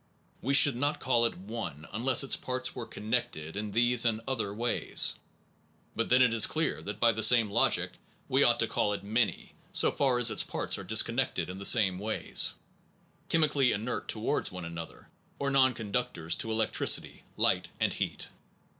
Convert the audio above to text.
We should not call it one unless its parts were connected in these and other ways. But then it is clear that by the same logic we ought to call it many. so far as 126 THE ONE AND THE MANY its parts are disconnected in these same ways, chemically inert towards one another or non conductors to electricity, light and heat.